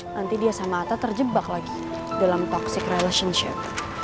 nanti dia sama ata terjebak lagi dalam toxic relationship